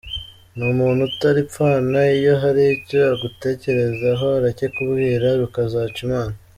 Ni umuntu utaripfana , iyo hari icyo agutekerezaho aracyikubwira rukazaca Imana.